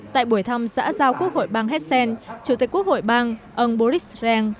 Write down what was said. tại buổi thăm giã giao quốc hội bang hessen chủ tịch quốc hội bang ông boris reng